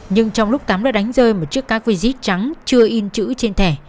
nhưng trong lúc tắm đã đánh rơi một chiếc cái quý dít trắng chưa in chữ trên thẻ